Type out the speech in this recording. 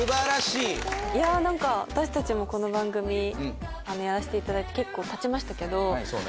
いや何か私たちもこの番組やらせていただいて結構たちましたけど。